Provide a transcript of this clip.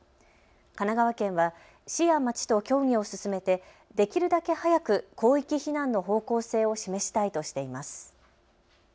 神奈川県は市や町と協議を進めてできるだけ早く広域避難の方向性を示したいとしています。